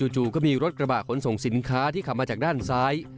จู่ก็มีรถกระบะขนส่งสินค้าที่ขับมาจากด้านซ้าย